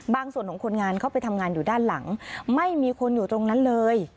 ส่วนของคนงานเข้าไปทำงานอยู่ด้านหลังไม่มีคนอยู่ตรงนั้นเลย